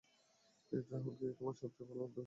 রাহুল কি তোমার সবচেয়ে ভালো বন্ধু?